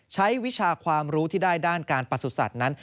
วิชาความรู้ที่ได้ด้านการประสุทธิ์นั้น